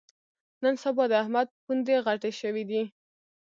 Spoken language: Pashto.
نن سبا د احمد پوندې غټې شوې دي.